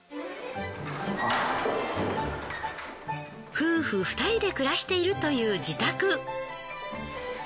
夫婦２人で暮らしているという自宅。